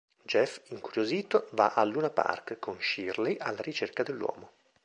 Jeff, incuriosito, va al luna park con Shirley alla ricerca dell'uomo.